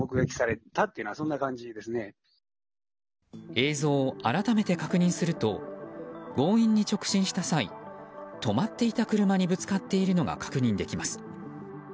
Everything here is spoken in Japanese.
映像を改めて確認すると強引に直進した際止まっていた車にぶつかっているのが確認できます。